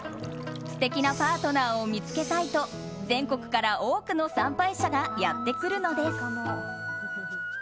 素敵なパートナーを見つけたいと全国から多くの参拝者がやってくるのです。